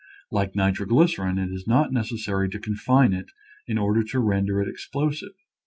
Like nitroglycerin, it is not necessary to confine it in order to render it explosive.